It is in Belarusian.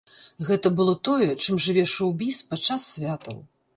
Гэта было тое, чым жыве шоў-біз падчас святаў!